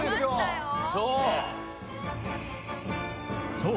そう！